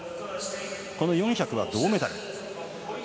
この４００は銅メダルでした。